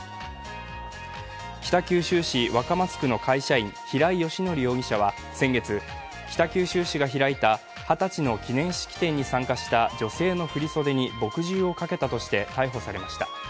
北九州市若松区の会社員平井英康容疑者は先月、北九州市が開いた二十歳の記念式典に参加した女性の振り袖に墨汁をかけたとして逮捕されました。